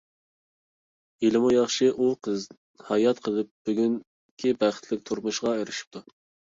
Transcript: ھېلىمۇ ياخشى ئۇ قىز ھايات قېلىپ بۈگۈنكى بەختلىك تۇرمۇشقا ئېرىشىپتۇ.